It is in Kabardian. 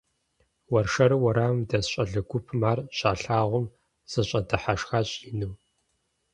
Уэршэру уэрамым дэс щӏалэ гупым ар щалъагъум, зэщӏэдыхьэшхащ ину.